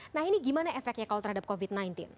nah ini gimana efeknya kalau terhadap covid sembilan belas